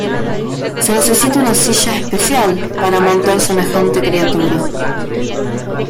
Se necesita una silla especial para montar semejante criatura.